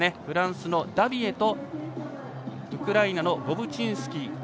フランスのダビエとウクライナのボブチンスキー